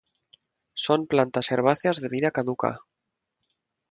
Son plantas herbáceas de vida caduca.